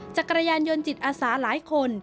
จักรยานยนต์จิตอาสาหลายคน